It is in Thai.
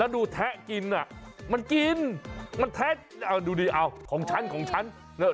ดูแทะกินน่ะมันกินมันแทะเอาดูดีเอาของฉันของฉันน่ะ